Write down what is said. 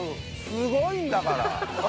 すごいんだから！